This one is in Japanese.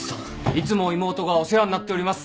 いつも妹がお世話になっております。